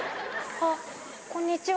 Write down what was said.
あっ、こんにちは。